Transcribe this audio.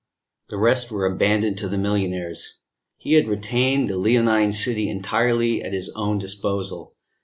The rest were abandoned to the millionaires. He had retained the Leonine City entirely at his own disposal.